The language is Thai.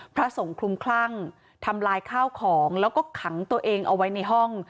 พระสงฆ์คลุมคลั่งทำลายข้าวของแล้วก็ขังตัวเองเอาไว้ในห้อง